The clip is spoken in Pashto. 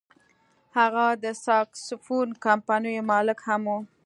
هغه د ساکسوفون کمپنیو مالک هم و.